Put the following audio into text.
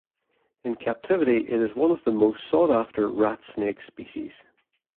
In captivity, it is one of the most sought-after rat snake species.